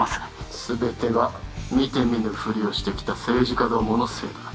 全ては見て見ぬふりをしてきた政治家どものせいだ